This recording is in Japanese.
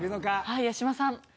はい八嶋さん。